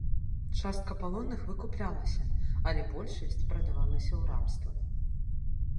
Частка палонных выкуплялася, але большасць прадавалася ў рабства.